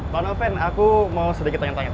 pak noven aku mau sedikit tanya tanya